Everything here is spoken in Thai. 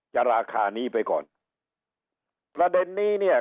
ราคานี้ไปก่อนประเด็นนี้เนี่ย